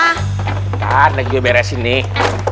ntar lagi juga beresin nih